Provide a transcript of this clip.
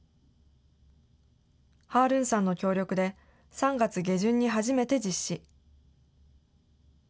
ハールーンさんの協力で、３月下旬に初めて実施。